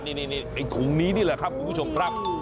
นี่ไอ้ถุงนี้นี่แหละครับคุณผู้ชมครับ